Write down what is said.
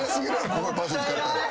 ここでパス使ったら。